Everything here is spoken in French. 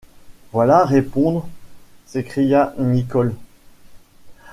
Voilà répondre, s’écria Nicholl.